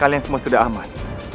kalian semua sudah aman